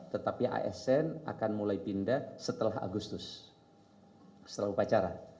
tetapi asn akan mulai pindah setelah agustus setelah upacara